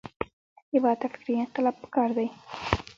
هېواد ته فکري انقلاب پکار دی